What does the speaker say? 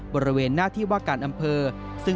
บริเวณหน้าที่ว่าการอำเภอ